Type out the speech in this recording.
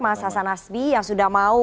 mas hasan nasbi yang sudah mau